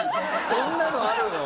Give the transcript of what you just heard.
そんなのあるの？